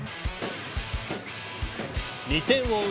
２点を追う